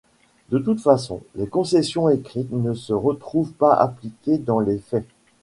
De toute façon, les concessions écrites ne se retrouvent pas appliqués dans les faits.